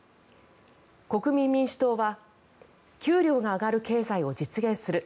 国民民主党は給料が上がる経済を実現する。